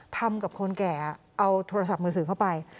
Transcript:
ทำกับคนแก่เอาโทรศัพท์มือถือเข้าไป